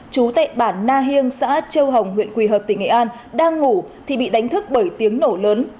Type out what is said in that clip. chú tại bản na hiêng xã châu hồng huyện quỳ hợp tỉnh nghệ an đang ngủ thì bị đánh thức bởi tiếng nổ lớn